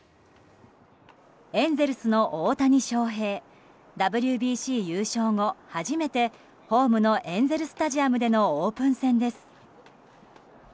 エンゼルスの大谷翔平ＷＢＣ優勝後初めてホームのエンゼル・スタジアムでのオープン戦です。